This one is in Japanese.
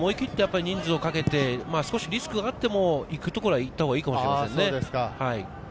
思い切って人数をかけて、少しリスクがあっても行くところは行ったほうがいいかもしれませんね。